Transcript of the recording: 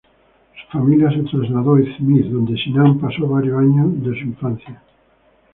Su familia se trasladó a İzmit, donde Sinan pasó varios años de su infancia.